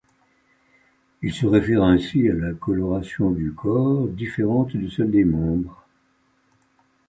Il se réfère ainsi à la coloration du corps différente de celle des membres.